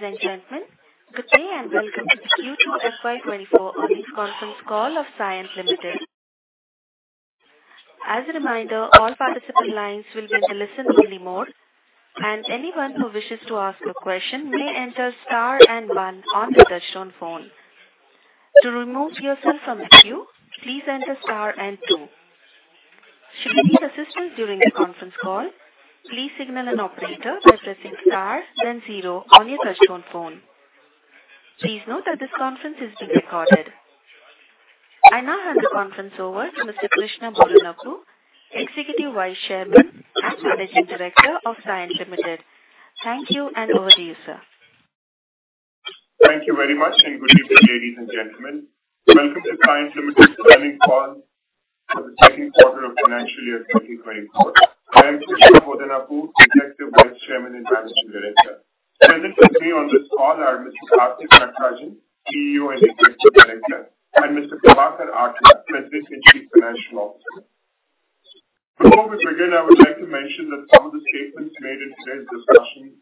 Ladies and gentlemen, good day, and welcome to the Q2 FY 2024 earnings conference call of Cyient Limited. As a reminder, all participant lines will be in the listen-only mode, and anyone who wishes to ask a question may enter star and 1 on your touchtone phone. To remove yourself from the queue, please enter star and 2. Should you need assistance during the conference call, please signal an operator by pressing star, then 0 on your touchtone phone. Please note that this conference is being recorded. I now hand the conference over to Mr. Krishna Bodanapu, Executive Vice Chairman and Managing Director of Cyient Limited. Thank you, and over to you, sir. Thank you very much, and good evening, ladies and gentlemen. Welcome to Cyient Limited's earnings call for the second quarter of financial year 2024. I am Krishna Bodanapu, Executive Vice Chairman and Managing Director. Present with me on this call are Mr. Karthik Natarajan, CEO and Executive Director, and Mr. Prabhakar Atla, President and Chief Financial Officer. Before we begin, I would like to mention that some of the statements made in today's discussion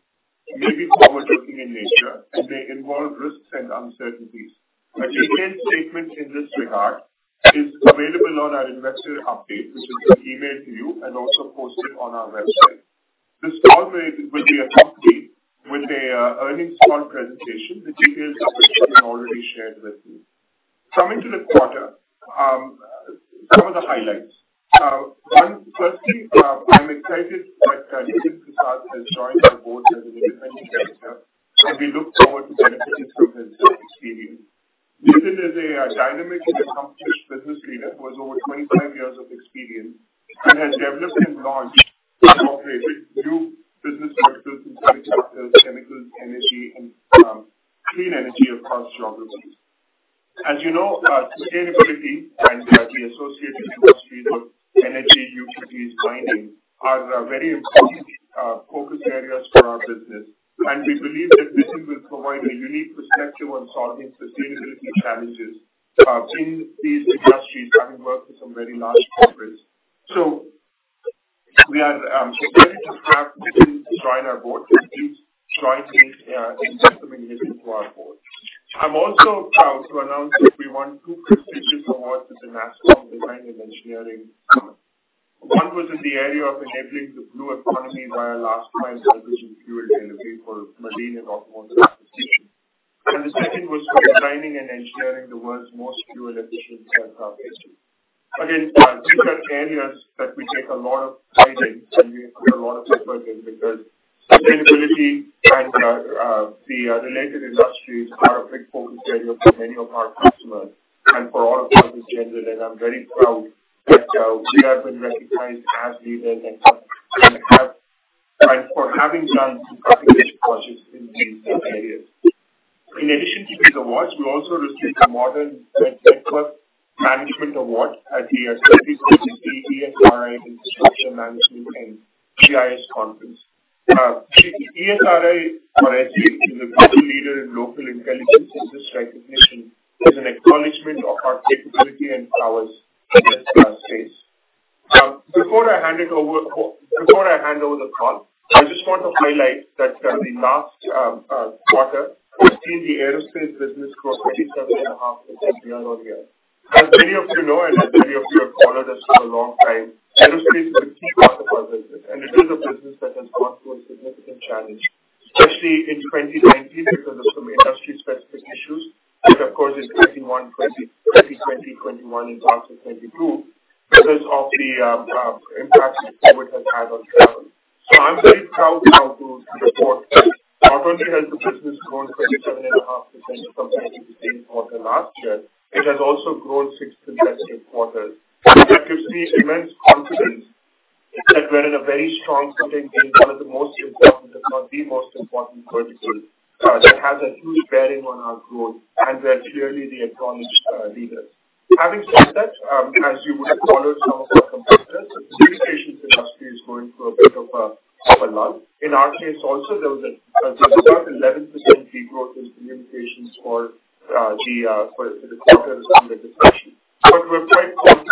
may be forward-looking in nature and may involve risks and uncertainties. A detailed statement in this regard is available on our investor update, which is been emailed to you and also posted on our website. This call will be accompanied with a earnings call presentation, the details of which have been already shared with you. Coming to the quarter, some of the highlights. the 35th Esri Infrastructure Management and GIS Conference. Esri or Esri is a global leader in local intelligence, and this recognition is an acknowledgment of our capability and powers in this space. Before I hand it over, before I hand over the call, I just want to highlight that, the last quarter, we've seen the aerospace business grow 37.5% year-over-year. As many of you know, and as many of you have followed us for a long time, aerospace is a key part of our business, and it is a business that has gone through a significant challenge, especially in 2019 because of some industry-specific issues, which of course, in 2021, 2020, 2020-2021, 2021, and parts of 2022, because of the impact COVID has had on travel. So I'm very proud now to report that not only has the business grown 37.5% compared to the same quarter last year, it has also grown 6 consecutive quarters. That gives me immense confidence that we're in a very strong position in one of the most important, if not the most important vertical, that has a huge bearing on our growth, and we're clearly the acknowledged leader. Having said that, as you would have followed some of our competitors, the communications industry is going through a bit of a lull. In our case also, there was about 11% degrowth in communications for the quarter under discussion, but we're quite confident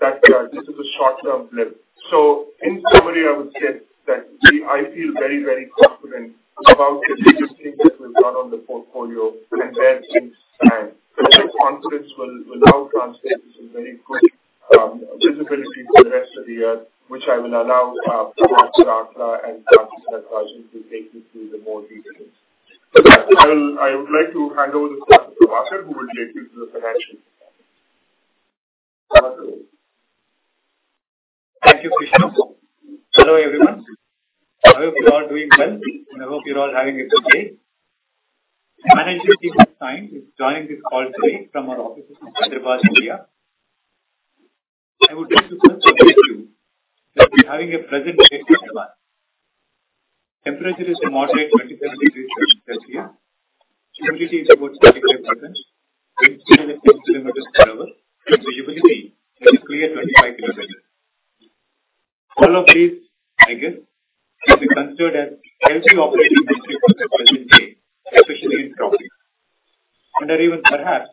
that this is a short-term blip. So in summary, I would say that we I feel very, very confident about the strategic fit that we've got on the portfolio and where things stand. This confidence will now translate to some very good visibility for the rest of the year, which I will allow Prabhakar Atla and Karthik Natarajan to take you through the more details. With that, I would like to hand over the call to Prabhakar, who will take you through the financials. Prabhakar? Thank you, Krishna. Hello, everyone. I hope you're all doing well, and I hope you're all having a good day. Management team of Cyient is joining this call today from our offices in Hyderabad, India. I would like to first update you that we're having a pleasant day in Hyderabad. Temperature is a moderate 27 degrees Celsius. Humidity is about 38%. Wind speed is 10 kilometers per hour, and visibility is a clear 25 kilometers. All of these, I guess, can be considered as healthy operating conditions for a pleasant day, especially in Hyderabad. And are even perhaps,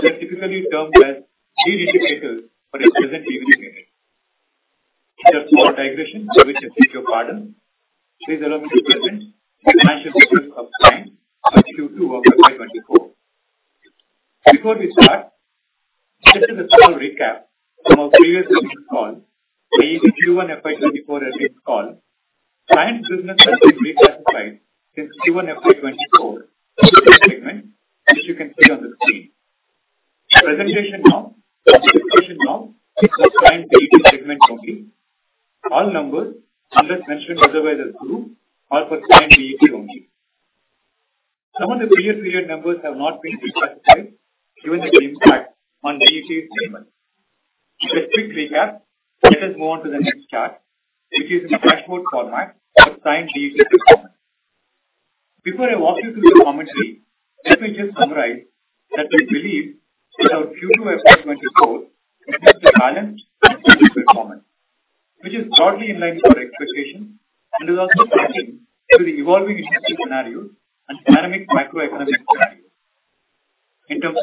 they're typically termed as key indicators for a pleasant evening as well. Digression, so we can seek your pardon. Please allow me to present the financial details of Q2 of FY 2024. Before we start, this is a small recap from our previous earnings call, the Q1 FY 2024 earnings call. Cyient business has been reclassified since Q1 FY 2024 segment, which you can see on the screen. Presentation now, presentation now is for Cyient DET segment only. All numbers, unless mentioned otherwise, as group are for Cyient DET only. Some of the previous period numbers have not been reclassified, given the impact on the DET segment. Just quick recap, let us move on to the next chart, which is in the dashboard format of Cyient DET performance. Before I walk you through the commentary, let me just summarize that we believe that our Q2 FY 2024 is a balanced and difficult performance, which is broadly in line with our expectation and is also matching to the evolving industry scenario and dynamic macroeconomic scenario. In terms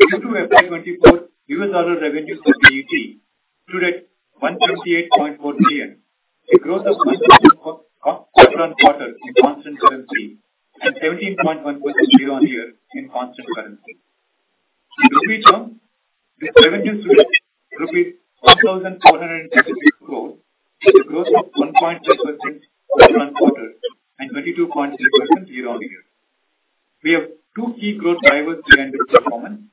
of revenue, Q2 FY 2024 US dollar revenue for DET stood at $128.4 million, a growth of 1.6% quarter-over-quarter in constant currency and 17.1% year-over-year in constant currency. In rupee term, the revenue stood at INR 1,466 crore, which is a growth of 1.6% quarter-over-quarter and 22.6% year-over-year. We have two key growth drivers behind this performance.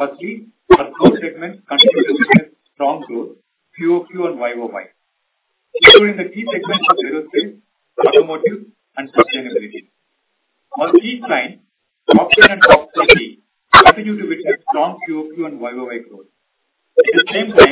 Firstly, our growth segment continues to see a strong growth QOQ and YOY, especially in the key segments of data center, automotive, and sustainability. On the key client, software and connectivity, contributed with a strong QOQ and YOY growth. At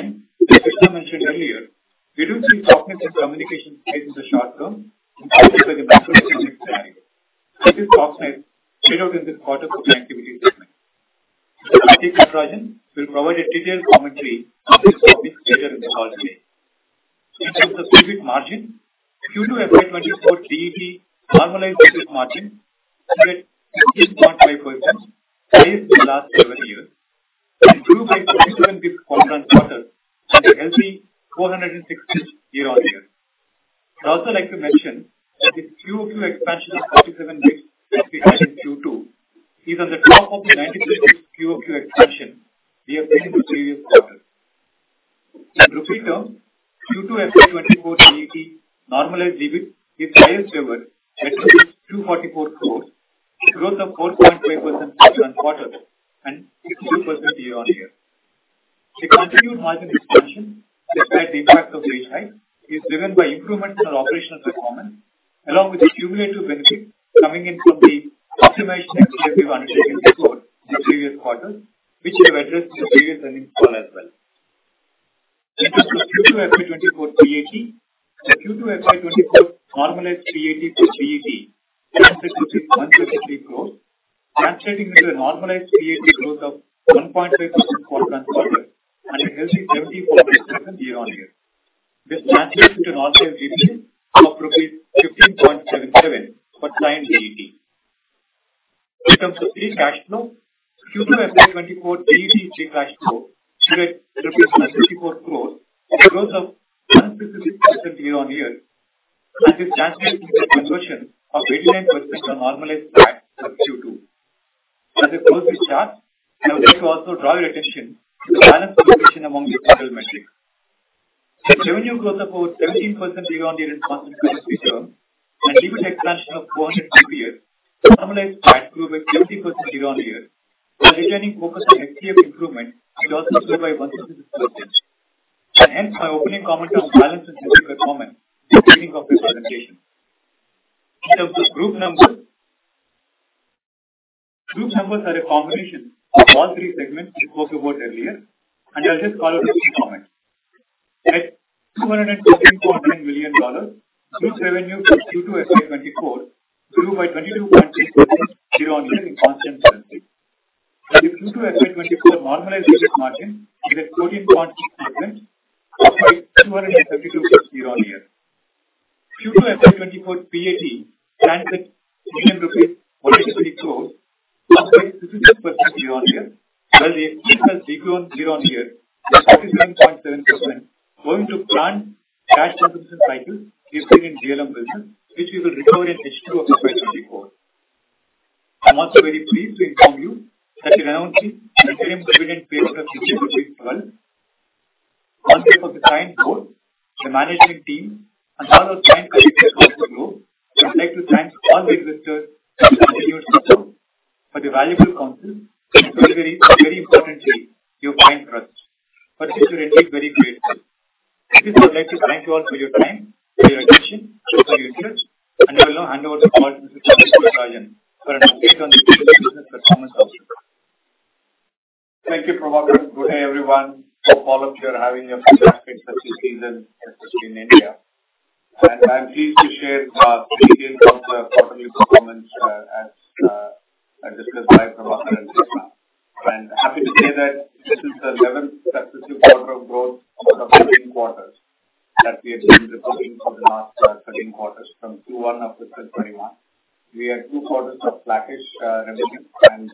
optimization and CFO At $214.9 million, group revenue for Q2 FY 2024 grew by 22.6% year-on-year in constant currency. The Q2 FY 2024 normalized profit margin is at 14.8%, up by 272% year-on-year. Q2 FY 2024 PAT stands at INR 124 million, up by 56% year-on-year, while the EBIT has declined year-on-year by 37.7%, due to planned cash compensation payout given in DLM business, which we will recover in H2 of the FY 2024. I'm also very pleased to inform you that we announced the maiden commitment phase of digital project as well. On behalf of the Cyient board, the management team, and all those clients who continue to grow, I'd like to thank all registered and your system for the valuable counsel, and very, very, very importantly, your abiding trust. But we are indeed very grateful. With this, I would like to thank you all for your time, for your attention, for your questions, and I will now hand over the call to Mr. Karthik Natarajan for an update on the business performance also. Thank you, Prabhakar. Good day, everyone. Hope all of you are having a fantastic season in India. I'm pleased to share few details of the company performance as described by Prabhakar and Krishna. I'm happy to say that this is the eleventh successive quarter of growth out of 13 quarters that we have been reporting for the last 13 quarters from Q1 of 2021. We had 2 quarters of flattish revenue and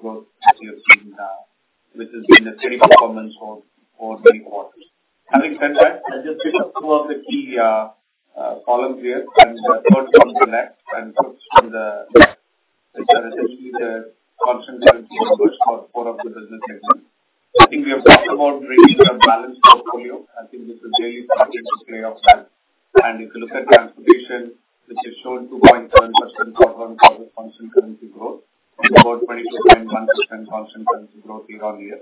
growth as we have seen, which has been a steady performance for many quarters. Having said that, I'll just pick up two of the key columns here and the first one is next, and from the, which are essentially the constant currency push for four of the business engines. I think we have talked about creating a balanced portfolio. I think this is really starting to pay off well. And if you look at transportation, which is showing 2.1% quarter-on-quarter constant currency growth and about 22.1% constant currency growth year-on-year.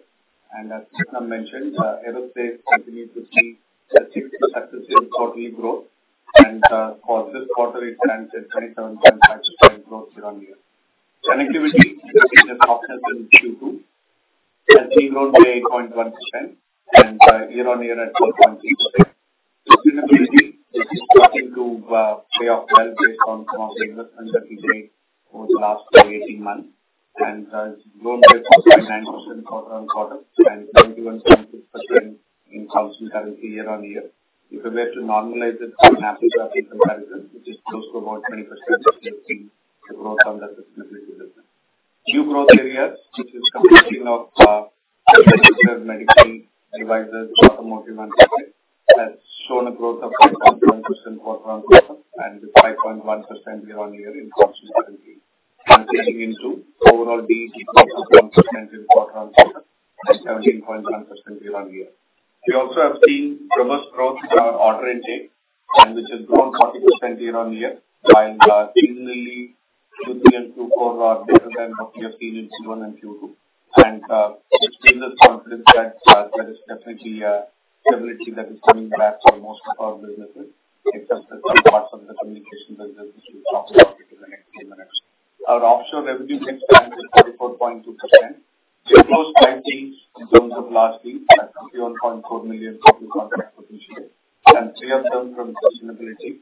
And as Krishna mentioned, aerospace continues to see a steady, successive quarterly growth. And, for this quarter, it stands at 27.5% growth year-on-year. Connectivity, this is a process in Q2, has grown by 8.1% and, year-on-year at 4.8%. Sustainability, this is starting to pay off well based on some of the investments that we made over the last 18 months, and growth rate of 9% quarter-on-quarter and 21.6% in constant currency year-on-year. If we were to normalize this on an apples-to-apples comparison, which is close to about 20%, we are seeing the growth under the sustainability business. New growth areas, which is consisting of, medical devices, automotive, and others, has shown a growth of 6.1% quarter-on-quarter and 5.1% year-on-year in constant currency. And taking into overall DE, it equals to 1% in quarter-on-quarter and 17.1% year-on-year. We also have seen robust growth in our order intake, and this has grown 40% year-on-year and, seasonally Q3 and Q4 are better than what we have seen in Q1 and Q2. It gives us confidence that there is definitely a stability that is coming back for most of our businesses, except for some parts of the communication business, which we'll talk about in the next few minutes. Our offshore revenue mix stands at 44.2%. We closed 20 in terms of large deals at $2.4 million total contract potential, and three of them from sustainability,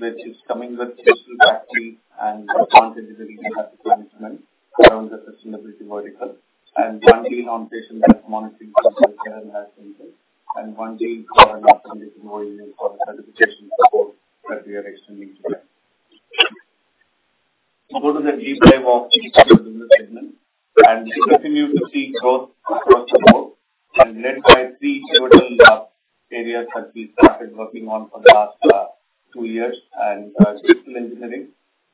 which is coming with digital factory and content delivery as a testament around the sustainability vertical. One deal on patient health monitoring system care and health center, and one deal for an air conditioning unit for certification support that we are extending today. So go to the next slide of business segment, and we continue to see growth across the board and led by three pivotal areas that we started working on for the last two years, and digital engineering,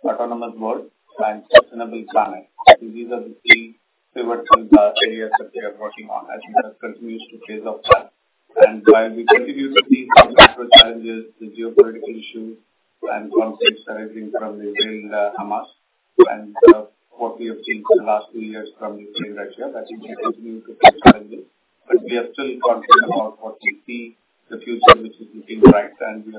autonomous growth, and sustainable planet. These are the three pivotal areas that we are working on as we have continued to phase off plan. And while we continue to see some macro challenges, the geopolitical issues and conflicts arising from Israel and Hamas, and what we have seen for the last two years from Ukraine, Russia, I think we continue to face challenges, but we are still confident about what we see the future, which is looking bright, and we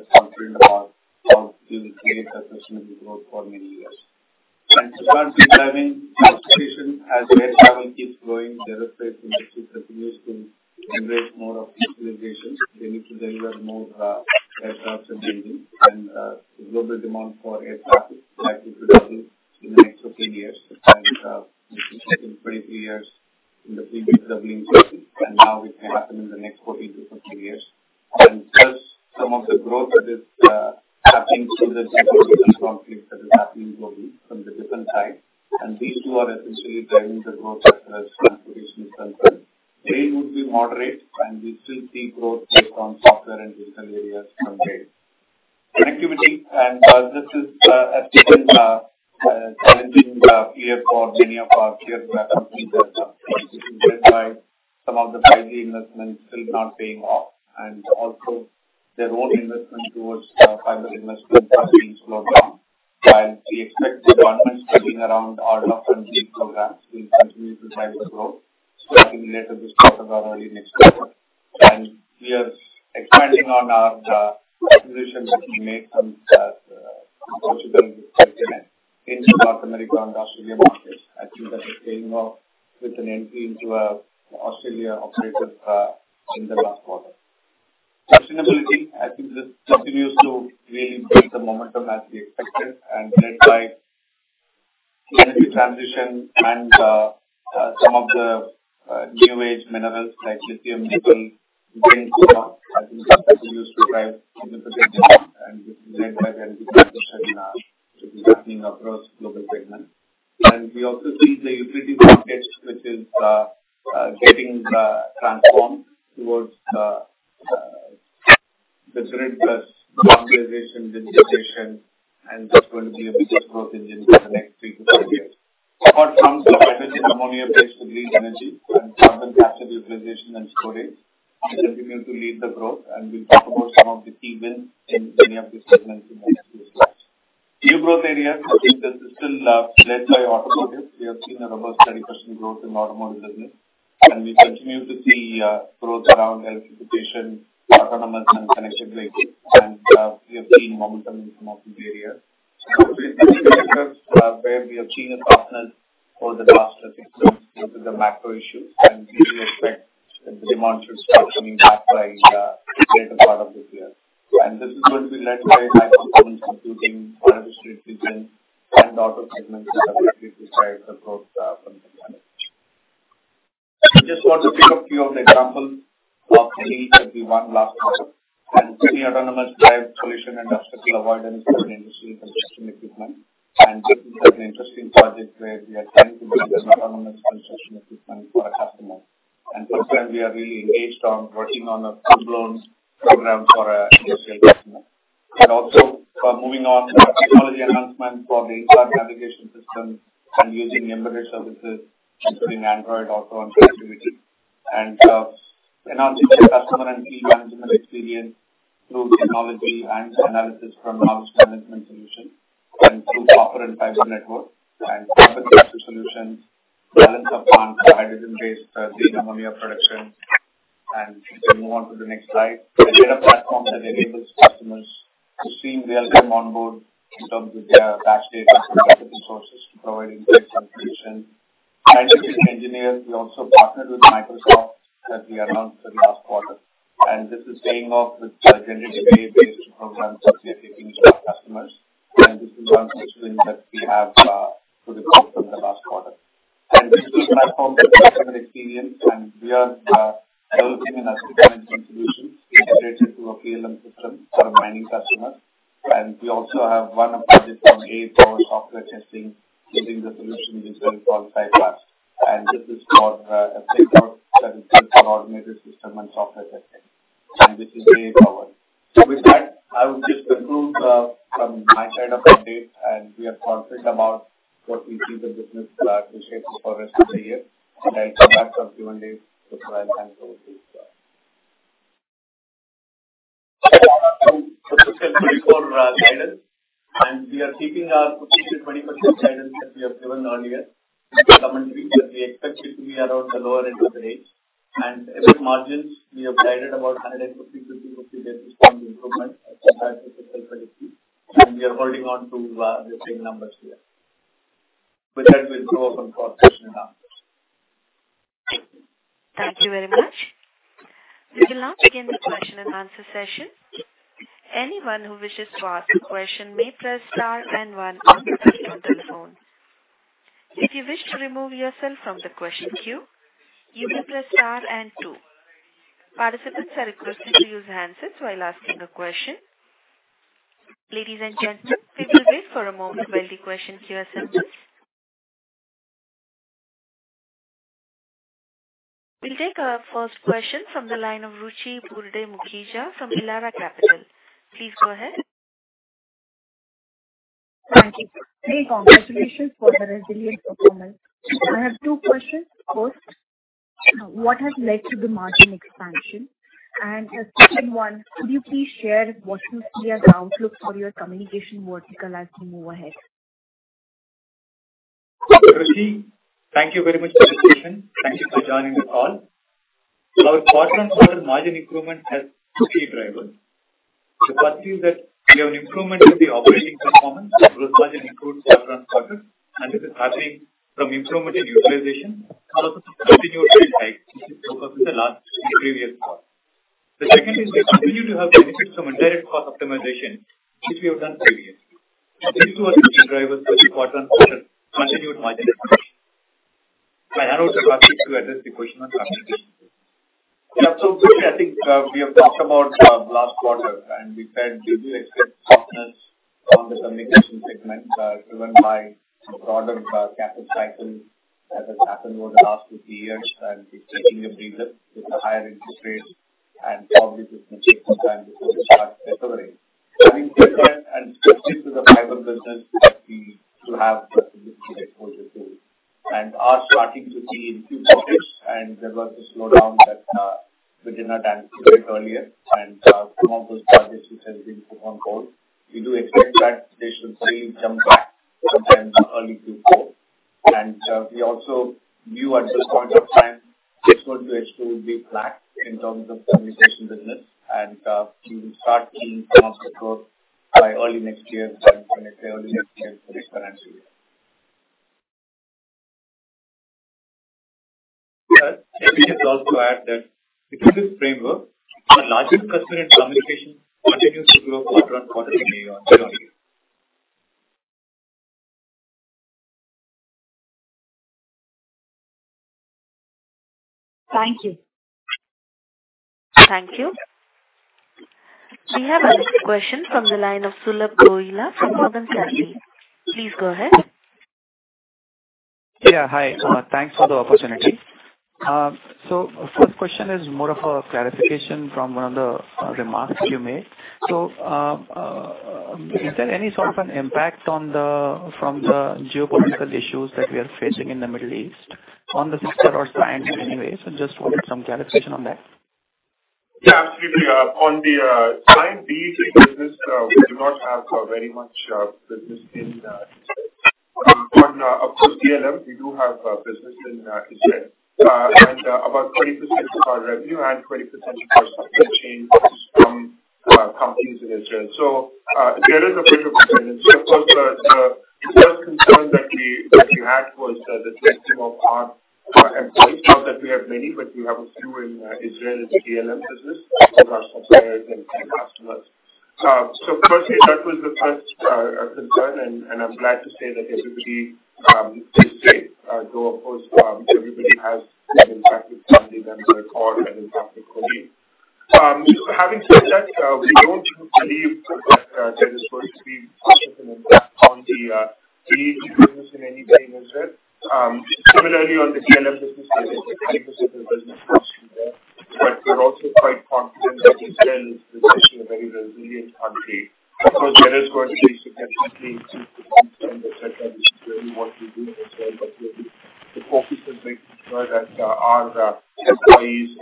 and digital areas from rail. Connectivity, and, this is, has been, challenging, year for many of our tier one customers, which is led by some of the 5G investments still not paying off, and also their own investment towards, fiber investment has been slowed down. While we expect the government spending around our broadband programs will continue to drive the growth. So I will later discuss about early next quarter. And we are expanding on our, positions that we made from, possible in North America and Australia markets. I think that is paying off with an MP into, Australia operator, in the last quarter. Sustainability, I think this continues to really build the momentum as we expected, and led by energy transition and, some of the, new age minerals like lithium, nickel, zinc. I think that continues to drive in the potential and led by the transition, which is happening across global segments. And we also see the utility market, which is getting transformed towards the grid plus centralization, digitization, and this will be a big growth engine for the next 3-5 years. Support from hydrogen, ammonia-based clean energy and carbon capture utilization and storage will continue to lead the growth, and we'll talk about some of the key wins in many of the segments in the next few slides. New growth areas, I think this is still led by automotive. We have seen a robust, steady growth in the automotive business, and we continue to see growth around electrification, autonomous, and connected vehicles. And we have seen momentum in some of the areas. Where we have seen a pattern over the last, I think, due to the macro issues, and we expect that the demand should start coming back by later part of this year. This is going to be led by microcontrollers, computing, industry solutions, and other segments which drives the growth from there. We just want to give a few examples of wins that we won last quarter, and an autonomous drive solution for industrial vehicles in construction equipment. This is an interesting project where we are trying to build an autonomous construction equipment for a customer. Thirdly, we are really engaged on working on a full-blown program for an industrial customer. Also, moving on to technology enhancements for the in-car navigation system and using embedded services, including Android Auto and connectivity. Enhancing the customer and fleet management experience through technology and analysis from launch management solution and through software and cyber network and capital solution, balance of plants, hydrogen-based ammonia production. Please move on to the next slide. The data platform that enables customers to stream their team on board in terms of their batch data from multiple sources to provide insight and solution. Digital Engineering, we also partnered with Microsoft that we announced in the last quarter, and this is paying off with generative AI-based programs that we are taking to our customers, and this is one solution that we have to the from the last quarter. This is platform customer experience, and we are building an asset managenment solution integrated to a PLM system for a mining customer. And we also have won a project from AI for software testing, giving the solution which is called CyFAST. And this is for a set of coordinated system and software testing, and this is a power. So with that, I would just conclude from my side of updates, and we are confident about what we see the business shape for rest of the year. And I'll come back for Q&A. So thank you very much. For fiscal 2024 guidance, and we are keeping our 15%-20% guidance that we have given earlier. In the commentary, that we expect it to be around the lower end of the range. And with margins, we have guided about 150-50 basis point improvement compared to fiscal 2023, and we are holding on to the same numbers here. With that, we'll go open for question and answers. Thank you very much. We will now begin the question and answer session. Anyone who wishes to ask a question may press Star and One on their telephone. If you wish to remove yourself from the question queue, you may press Star and Two. Participants are requested to use handsets while asking a question. Ladies and gentlemen, we will wait for a moment while the question queue assembles. We'll take our first question from the line of Ruchi Burde Mukhija from Elara Capital. Please go ahead. Thank you. Hey, congratulations for the resilient performance. I have two questions. First, what has led to the margin expansion? And the second one, could you please share what you see as the outlook for your communication vertical as we move ahead? Ruchi, thank you very much for the question. Thank you for joining the call. Our quarter margin improvement has three drivers. The first is that we have an improvement in the operating performance across margin, improved quarter on quarter, and this is largely from improvement in utilization, continuous in the last three previous quarters. The second is we continue to have benefits from indirect cost optimization, which we have done previously. These two are the key drivers for the quarter on quarter continued margin expansion. I hand over to Rakesh to address the question on communication. Yeah. So Ruchi, I think we have talked about last quarter, growth by early next year and early next year for this financial year. Yeah. I just also add that within this framework, our largest customer in communication continues to grow quarter-on-quarter in New York. Thank you. Thank you. We have our next question from the line of Sulabh Govila from Morgan Stanley. Please go ahead. Yeah, hi. Thanks for the opportunity. So first question is more of a clarification from one of the remarks you made. So, is there any sort of an impact on the, from the geopolitical issues that we are facing in the Middle East on the sector or client anyways, and just want some clarification on that? Yeah, absolutely. On the Cyient DET business, we do not have very much business in... Of course, DLM, we do have business in Israel, and about 20% of our revenue and 20% of our supply chain is from companies in Israel. So, there is a bigger percentage. Of course, the concern that you had was the testing of our employees. Not that we have many, but we have a few in Israel DLM business with our suppliers and customers. So firstly, that was the first concern, and I'm glad to say that everybody is safe. Though, of course, everybody has been impacted family than the core and impacted colleague. Having said that, we don't believe that there is going to be significant impact on the business in any way, is it? Similarly, on the DLM business, but we're also quite confident that Israel is essentially a very resilient country. Of course, there is going to be some definitely some concern that said that this is really what we do in Israel, but the focus of making sure that our employees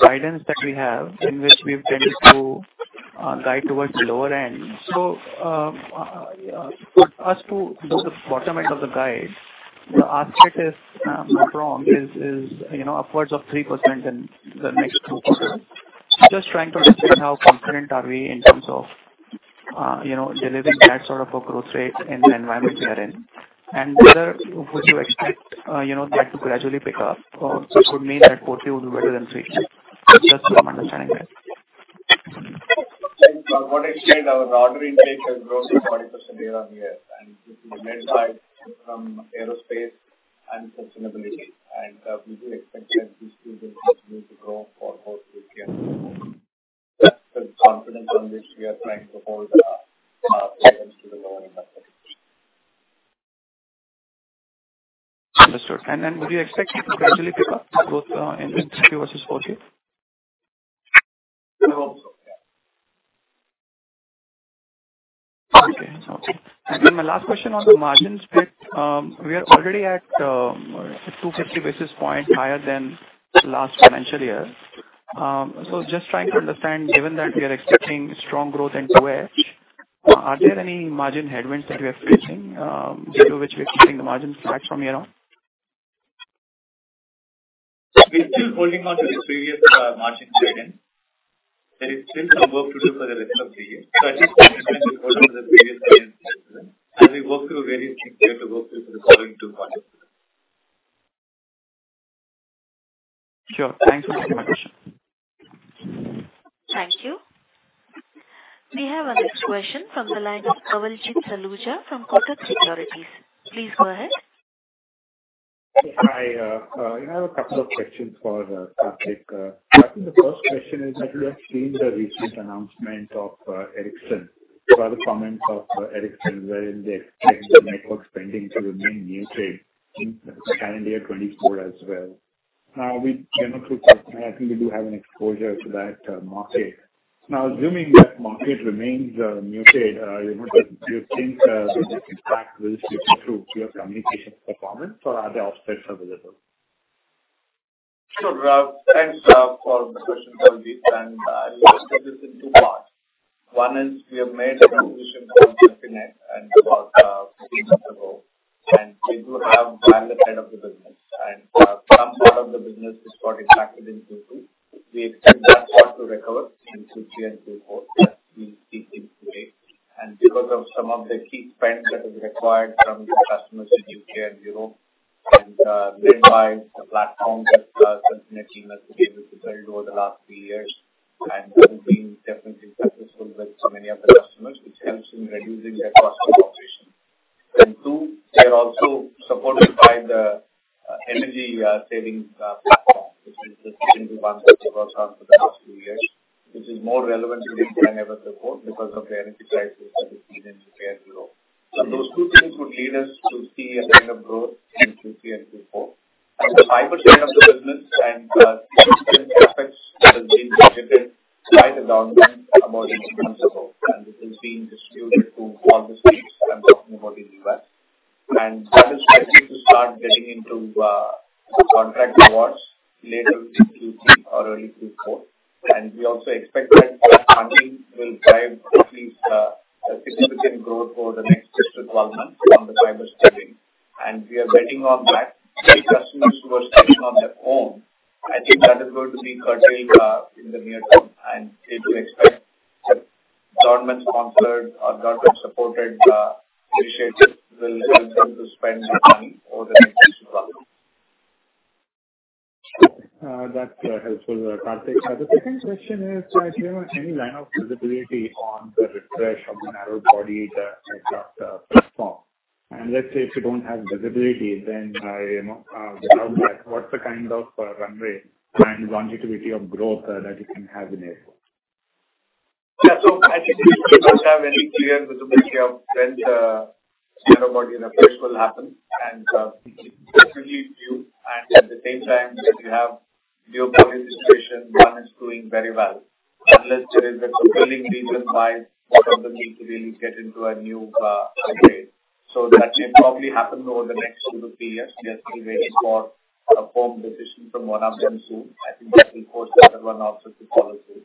and their families are really safe. Understood. My second question is with respect to guidance that we have, in which we've tended to guide towards the lower end. So, for us to do the bottom end of the guide, the aspect is, if I'm wrong, you know, upwards of 3% in the next two quarters. Just trying to understand how confident are we in terms of you know, delivering that sort of a growth rate in the environment we are in? And whether would you expect you know, that to gradually pick up, or it could mean that quarterly would be better than 3%? Just to understand that. What extent our order intake has grown to 40% year-on-year, and this is led by from aerospace and sustainability, and we do expect that this will continue to grow for both this year. That's the confidence on which we are trying to hold guidance to the lower end. Understood. And then would you expect it to gradually pick up, both, in Q3 versus Q4? We hope so. Okay. Then my last question on the margin split. We are already at 250 basis points higher than last financial year. So just trying to understand, given that we are expecting strong growth in QH, are there any margin headwinds that you are facing, due to which we're keeping the margins flat from here on? We're still holding on to the previous margin guidance. There is still some work to do for the rest of the year. I just want to hold on to the previous guidance, and we work through various things we have to work through for the current two quarters. Sure. Thanks for taking my question. Thank you. We have our next question from the line of Kawaljeet Saluja from Kotak Securities. Please go ahead. Hi, I have a couple of questions for Karthik. I think the first question is that we have seen the recent announcement of Ericsson, for the comments of Ericsson, where they expect the network spending to remain muted in calendar 2024 as well. We came up with, I think we do have an exposure to that market. Now, assuming that market remains muted, you know, do you think the impact will be true to your communication performance or are there offsets available? Sure, thanks for the question, Kawaljeet, and I'll answer this in two parts. One is we have made a conclusion from Celfinet and about three months ago, So I think we don't have any clear visibility of when the narrow body refresh will happen. And it's really new, and at the same time, if you have the OEM situation, one is doing very well. Unless there is a compelling reason why the company to really get into a new airframe. So that should probably happen over the next two to three years. We are still waiting for a firm decision from one of them soon. I think that will force everyone also to follow through.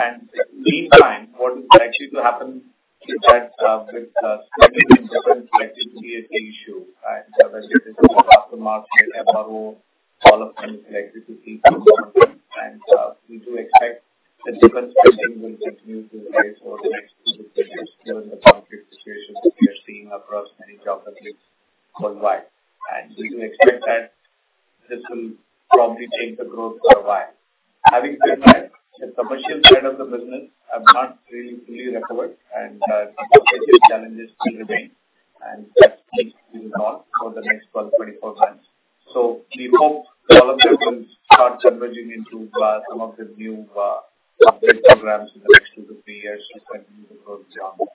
And meantime, what is actually to happen is that with different, like, OEM issue, and this is aftermarket, MRO, all of them like to see... Do you expect the different pricing will continue to rise over the next two to three years, given the conflict situation we are seeing across many geographies worldwide? Do you expect that this will probably change the growth for a while? Having said that, the commercial side of the business have not really fully recovered, and challenges still remain, and that will last for the next 12-24 months. We hope developers will start converging into some of the new update programs in the next 2-3 years and continue the growth journey.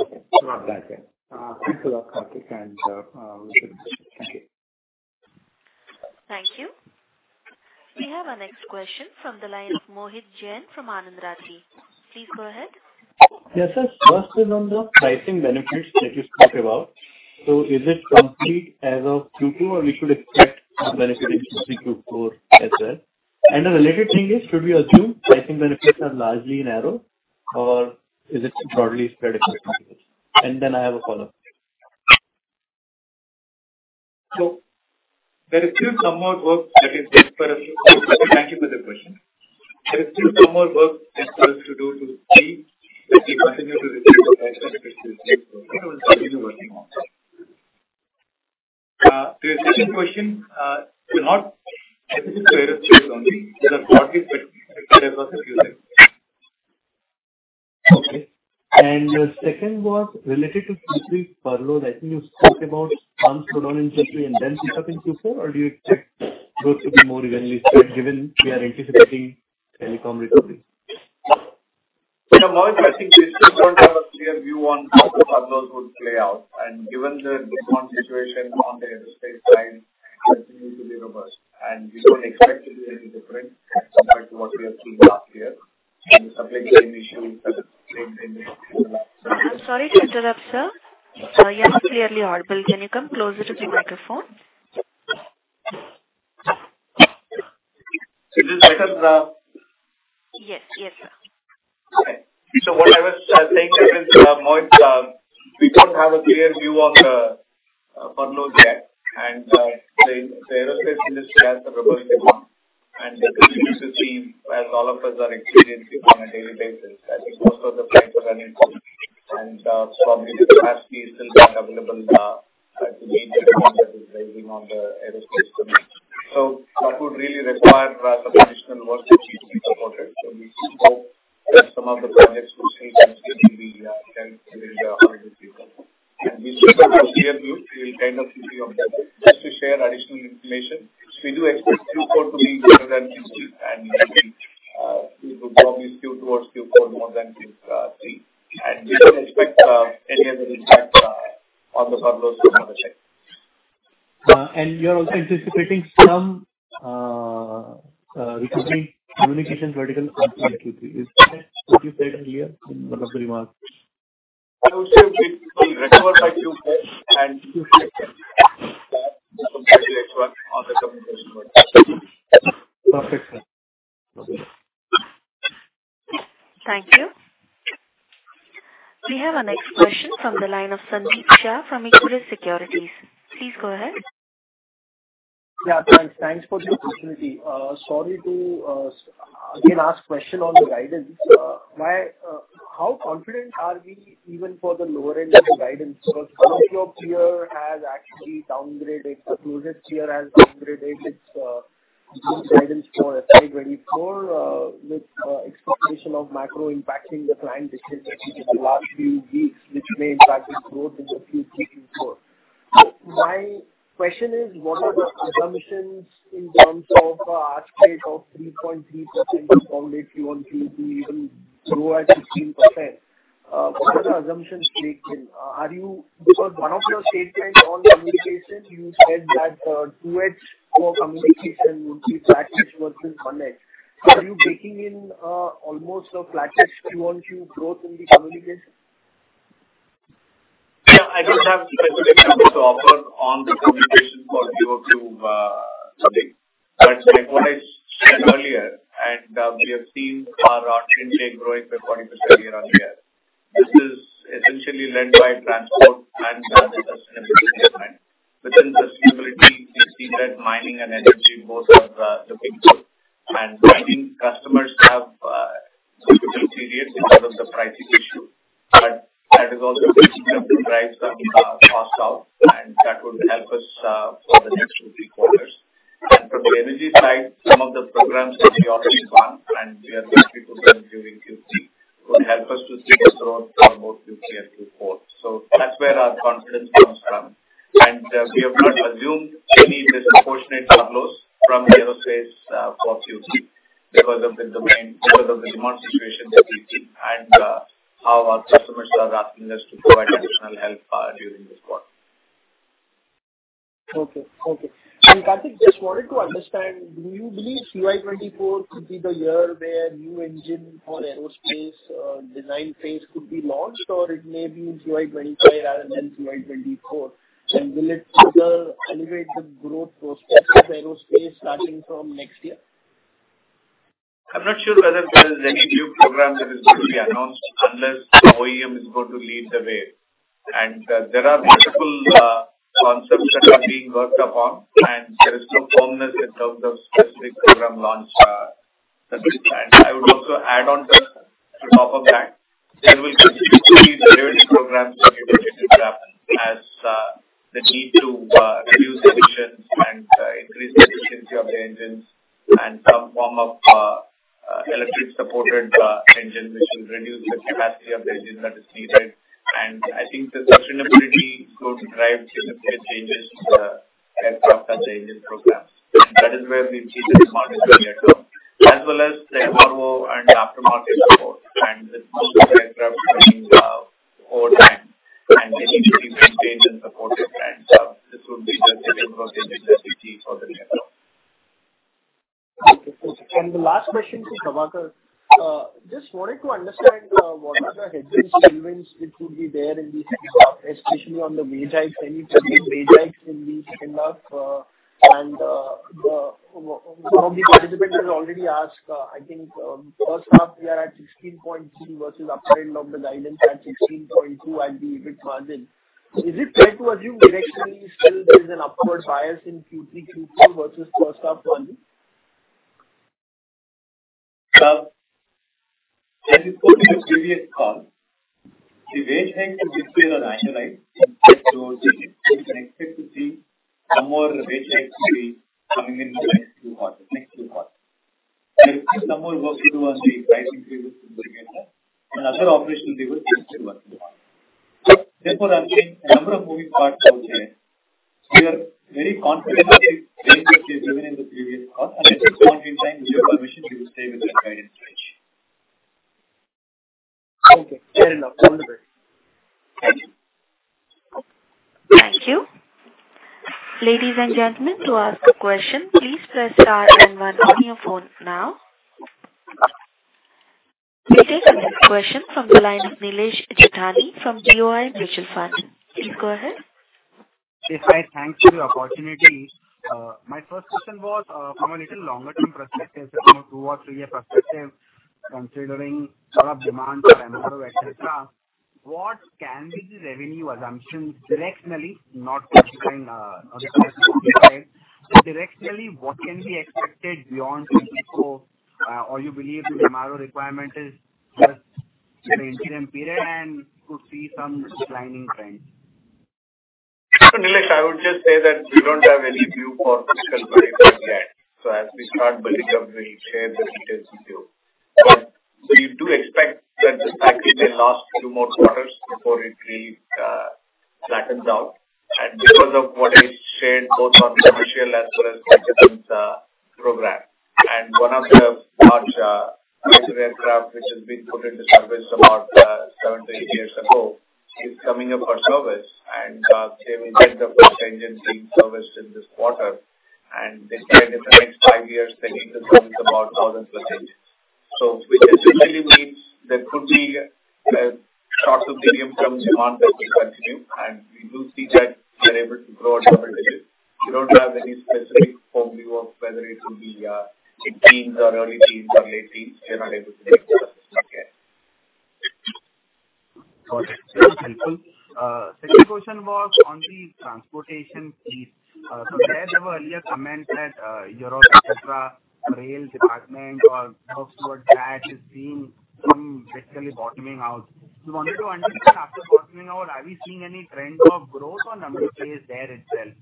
Okay, got it. Thanks a lot, Karthik, and thank you. Thank you. We have our next question from the line of Mohit Jain from Anand Rathi. Please go ahead. Yes, sir. First is on the pricing benefits that you spoke about. So is it complete as of Q2, or we should expect some benefit into Q4 as well? And the related thing is, should we assume pricing benefits are largely narrow or is it broadly spread across? And then I have a follow-up. So there is still some more work that is there for us. Thank you for the question. There is still some more work that for us to do to see that we continue to receive the benefits we continue working on. The second question, we're not able to share only broadly, but across a few things. Okay. The second was related to Q3 furlough. I think you spoke about months put on in Q3 and then pick up in Q4, or do you expect growth to be more evenly spread, given we are anticipating telecom recovery? So now, I think we still don't have a clear view on how the furlough would play out, and given the demand situation on the aerospace side, continue to be robust, and we don't expect it to be any different compared to what we have seen last year. The supply chain issue remains the same. I'm sorry to interrupt, sir. You're not clearly audible. Can you come closer to the microphone? So this is the- Yes. Yes, sir. Okay. So what I was saying is, Mohit, we don't have a clear view on the furlough yet, and the aerospace industry has a robust demand, and they continue to see, as all of us are experiencing on a daily basis, I think most of the flights are running, and so capacity is still not available to meet the demand that is rising on the aerospace. So that would really require some additional work to be supported. So we still hope that some of the projects we still can get will help with the people. And we should have a clear view. We will kind of give you update. Just to share additional information, we do expect Q4 to be better than Q3, and I think it will probably skew towards Q4 more than Q three. We don't expect any other impact on the furloughs from our check. You're also anticipating some recovery communication vertical on Q3. Is that what you said earlier in one of the remarks? I would say we recover by Q4 and Q4 on the communication. Perfect, sir. Thank you. We have our next question from the line of Sandeep Shah from Equirus Securities. Please go ahead. Yeah, thanks. Thanks for the opportunity. Sorry to again ask question on the guidance. Why... How confident are we even for the lower end of the guidance? Because one of your peer has actually downgraded, the closest peer has downgraded its guidance for FY 2024 with expectation of macro impacting the client spending in the last few weeks, which may impact the growth in the Q3, Q4. My question is, what are the assumptions in terms of attrition rate of 3.3% compounded Q1, Q2, even grow at 16%? What are the assumptions baked in? Are you because one of the statements on communication, you said that 2Q for communication would be flat versus 1Q. So are you baking in almost a flattish Q-on-Q growth in the communication? Yeah, I don't have specific numbers to offer on the communication for Q over Q, something. But as Mohit said earlier, and we have seen our revenue growing by 40% year-on-year. This is essentially led by transport and sustainability. Within sustainability, we've seen that mining and energy both are looking good. And mining customers have difficult periods in terms of the pricing issue, but that is also beginning to drive some costs out, and that would help us for the next two, three quarters. And from the energy side, some of the programs that we already won and we are going to be delivering Q3, would help us to see the growth for both Q3 and Q4. So that's where our confidence comes from. We have not assumed any disproportionate furloughs from the aerospace for Q3, because of the domain, because of the demand situation that we've seen and how our customers are asking us to provide additional help during this quarter. Okay. Okay. And, Karthik, just wanted to understand, do you believe CY 2024 could be the year where new engine for aerospace design phase could be launched, or it may be in CY 2025 rather than CY 2024? And will it further elevate the growth prospects of aerospace starting from next year? I'm not sure whether there is any new program that is going to be announced unless OEM is going to lead the way. There are multiple concepts that are being worked upon, and there is no firmness in terms of specific program launch that is planned. I would also add on to, on top of that, there will continuously be various programs as the need to reduce emissions and increase the efficiency of the engines and some form of electric supported engine, which will reduce the capacity of the engine that is needed. I think the sustainability is going to drive significant changes to the aircraft and engine programs. That is where we've seen this market earlier, so. As well as the MRO and aftermarket support, and with most of the aircraft coming over time and needing to be maintained and supported. And, this will be the second largest industry for the near term. Okay. And the last question to Prabhakar. Just wanted to understand, what are the hedges and wins which would be there in the, especially on the wage hike, any wage hikes will be enough, and, the, one of the participants has already asked, I think, first half, we are at 16.3 versus upside of the guidance at 16.2 and the EBIT margin. Is it fair to assume directionally still there's an upward bias in Q3, Q4 versus first half only? As I told you in the previous call, the wage hikes is still on annualized. So we can expect to see some more wage hikes to be coming in the next two quarters, next two quarters. There is some more work to do on the pricing agreements to bring it up, and other operational levers we're still working on. Therefore, I'm saying a number of moving parts out there. We are very confident with the guidance we've given in the previous call, and I think one more time, with your permission, we will stay with that guidance range. Okay, fair enough. Wonderful. Thank you. Thank you. Ladies and gentlemen, to ask a question, please press star and one on your phone now. We take the next question from the line of Nilesh Jethani from BOI Mutual Fund. Please go ahead. Yes, hi. Thank you for the opportunity. My first question was from a little longer term perspective, you know, two or three year perspective, considering sort of demand for MRO, et cetera, what can be the revenue assumptions directionally, not specific, or specific to time, but directionally, what can be expected beyond 2024? Or you believe the MRO requirement is just an interim period and could see some declining trend? So, Nilesh, I would just say that we don't have any view for fiscal 2023 yet. So as we start building up, we'll share the details with you. But we do expect that the package will last 2 more quarters before it really flattens out. And because of what is shared both on commercial as well as the programs. And one of the large aircraft, which has been put into service about 7-8 years ago, is coming up for service, and they will get the first engine being serviced in this quarter. And they said in the next 5 years, they need to service about thousands of engines. So which essentially means there could be short-term demand that will continue, and we do see that we are able to grow at double digits. We don't have any specific view of whether it will be mid-teens or early teens or late teens. We are not able to make that yet. Got it. Very helpful. Second question was on the transportation piece. So there were earlier comments that, Europe, et cetera, rail department or works toward that is seeing some basically bottoming out. We wanted to understand, after bottoming out, are we seeing any trend of growth or number of players there itself?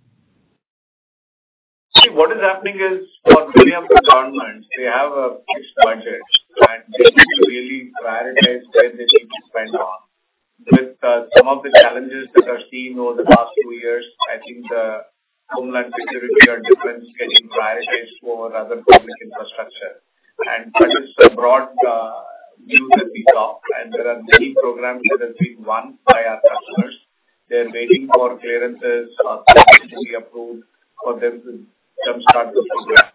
What is happening is for many of the governments, they have a fixed budget, and they need to really prioritize where they need to spend on. With some of the challenges that are seen over the past few years, I think the homeland security are different, getting prioritized for other public infrastructure. And that is a broad view that we saw, and there are many programs that are being won by our customers. They're waiting for clearances or to be approved for them to jumpstart the program.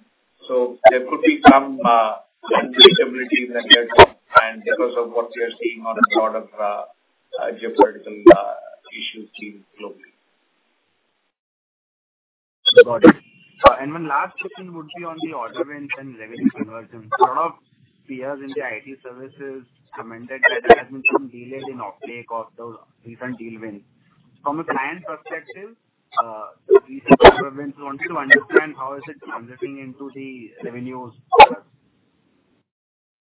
So there could be some instability in the near term, and because of what we are seeing on a lot of geopolitical issues globally. Got it. And one last question would be on the order wins and revenue conversion. A lot of peers in the IT services commented that there has been some delay in uptake of those recent deal wins. From a client perspective, recent order wins, wanted to understand how is it converting into the revenues?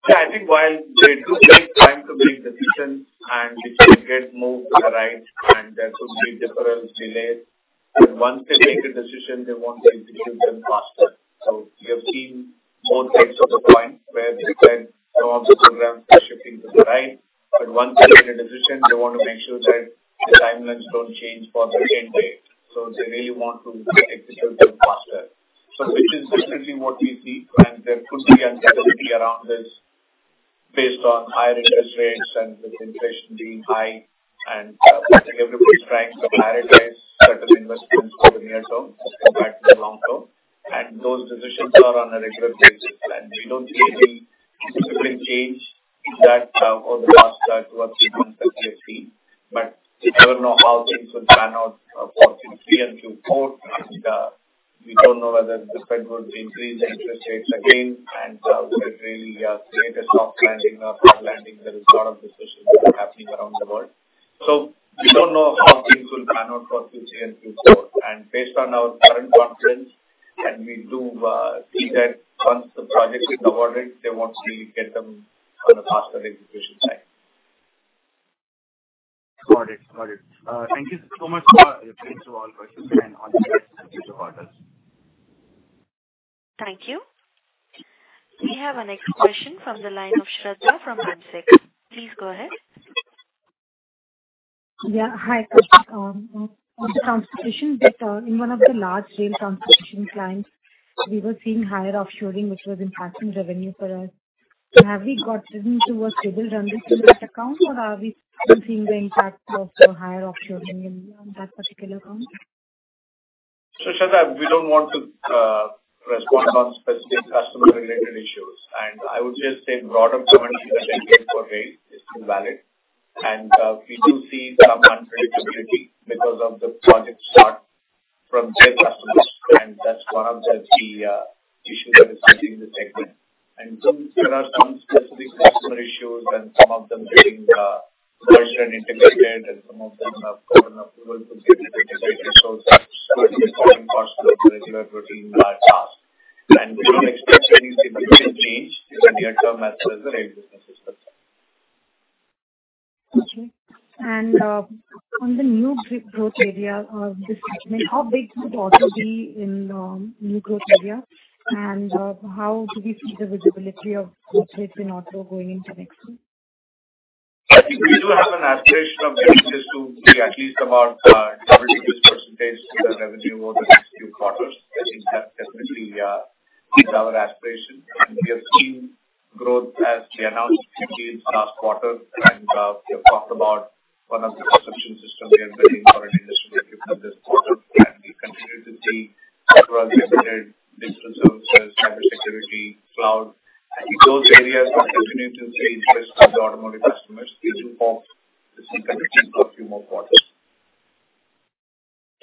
Yeah, I think while they do take time to make decisions, and they get moved to the right, and there could be deferrals, delays, but once they take a decision, they want to execute them faster. So we have seen both sides of the coin, where they said some of the programs are shifting to the right, but once they take a decision, they want to make sure that the timelines don't change for the same day. So they really want to execute them faster. So which is definitely what we see, and there could be uncertainty around this based on higher interest rates and with inflation being high, and everybody's trying to prioritize certain investments for the near term as compared to the long term. Those decisions are on a regular basis, and we don't see any significant change in that, over the last two or three months that we have seen, but we never know how things would pan out. Q3 and Q4. And, we don't know whether the Fed would increase interest rates again, and so would really create a soft landing or hard landing. There is a lot of discussion that are happening around the world. So we don't know how things will pan out for Q3 and Q4. And based on our current confidence, and we do see that once the project is awarded, they want to get them on a faster execution time. Got it. Got it. Thank you so much for getting through all questions and all the best to future quarters. Thank you. We have our next question from the line of Shradha from AMSEC. Please go ahead. Yeah, hi. On the consulting in one of the large-scale consulting clients, we were seeing higher offshoring, which was impacting revenue for us. So, have we got driven towards stable revenue in that account, or are we still seeing the impact of the higher offshoring in that particular account? So, Shradha, we don't want to respond on specific customer-related issues, and I would just say broader commentary that I get for rail is still valid. And we do see some unpredictability because of the project start from their customers, and that's one of the issues that is facing the segment. And so there are some specific customer issues and some of them getting merged and integrated, and some of them have gotten approval to get integrated. So that could be causing cost to the regular routine large task. And we don't expect any significant change in the near term as well as the rail businesses. Okay. And on the new growth area of this segment, how big could auto be in new growth area? And how do we see the visibility of growth rates in auto going into next year? I think we do have an aspiration of getting this to be at least about double-digit % to the revenue over the next few quarters. I think that definitely is our aspiration, and we have seen growth as we announced in last quarter. And we have talked about one of the consumption systems we are building for an industry that we've done this quarter, and we continue to see several embedded digital services, cybersecurity, cloud. I think those areas are continuing to see interest with the automotive customers, which will form the same category for a few more quarters.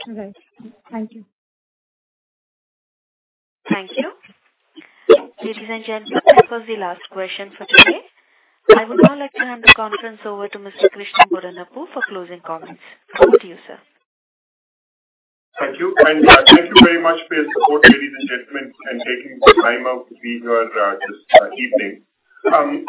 All right. Thank you. Thank you. Ladies and gentlemen, that was the last question for today. I would now like to hand the conference over to Mr. Krishna Bodanapu for closing comments. Over to you, sir. Thank you. And, thank you very much for your support, ladies and gentlemen, and taking the time out to be here, this evening.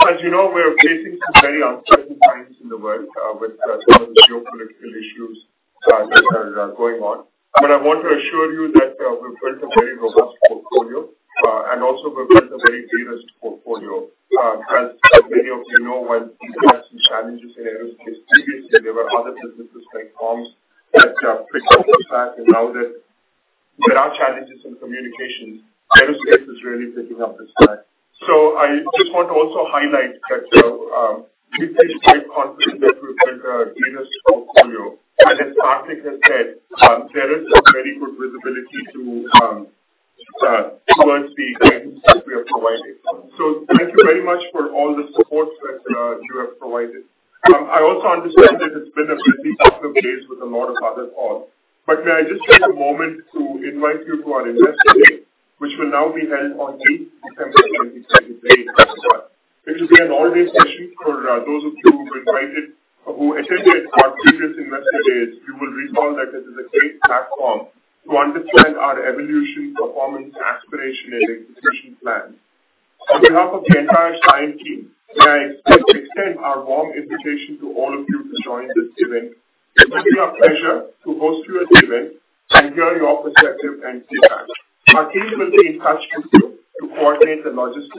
As you know, we're facing some very uncertain times in the world, with some of the geopolitical issues that are going on. But I want to assure you that, we've built a very robust portfolio, and also we've built a very de-risked portfolio. As many of you know, when we had some challenges in aerospace previously, there were other businesses like comms that picked up the slack. And now that there are challenges in communication, aerospace is really picking up the slack. So I just want to also highlight that, we feel quite confident that we've built a de-risked portfolio. As Karthik has said, there is a very good visibility towards the guidance that we are providing. Thank you very much for all the support that you have provided. I also understand that it's been a very busy couple of days with a lot of other calls. But may I just take a moment to invite you to our Investor Day, which will now be held on 8 December 2023. It will be an all-day session for those of you who attended our previous Investor Days. You will recall that this is a great platform to understand our evolution, performance, aspiration and execution plan. On behalf of the entire Cyient team, may I extend our warm invitation to all of you to join this event. It will be our pleasure to host you at the event and hear your perspective and feedback. Our team will be in touch with you to coordinate the logistics.